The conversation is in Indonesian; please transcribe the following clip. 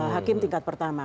hakim tingkat pertama